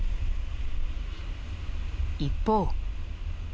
一方。